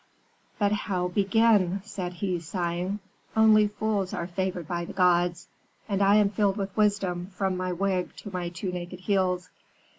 "'But how begin!' said he, sighing. 'Only fools are favored by the gods; and I am filled with wisdom from my wig to my two naked heels.